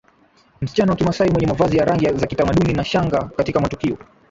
Msichana wa Kimasai mwenye mavazi ya rangi za kitamaduni na shanga katika matukio